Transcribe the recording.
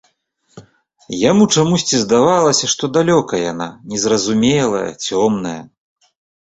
Яму чамусьці здавалася, што далёка яна, незразумелая, цёмная.